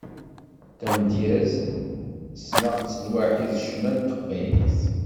Tamedyazt, sneɣ-tt lwaḥi d ccna n teqbaylit.